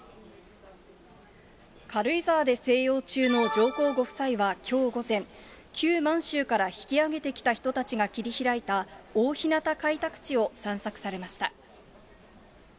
軽井沢で静養中の上皇ご夫妻はきょう午前、旧満州から引き揚げてきた人たちが切り開いた大日向開拓地を散策されました。